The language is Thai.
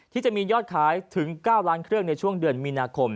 ที่จะมียอดขายถึง๙ล้านเครื่องในช่วงเดือนมีนาคม